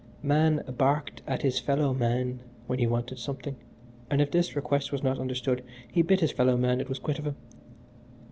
Man barked at his fellow man when he wanted something, and if his request was not understood he bit his fellow man and was quit of him.